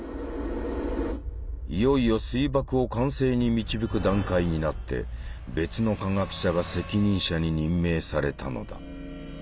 いよいよ水爆を完成に導く段階になって別の科学者が責任者に任命されたのだ。